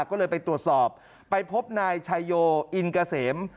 ก็เลยไปตรวจสอบไปพบนายชายโยอินเกษม